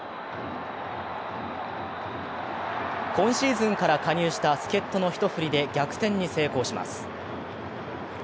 今シーズンから加入した助っ人の一振りで逆転に成功します。